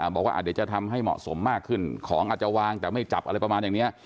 บอกว่าเดี๋ยวจะทำให้เหมาะสมมากขึ้นของอาจจะวางแต่ไม่จับอะไรประมาณอย่างนี้